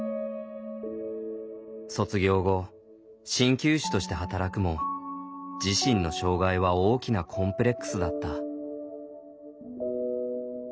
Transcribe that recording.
卒業後鍼灸師として働くも自身の障害は大きなコンプレックスだった。